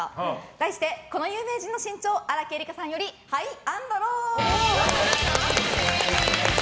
題して、この有名人の身長荒木絵里香さんよりＨＩＧＨ＆ＬＯＷ。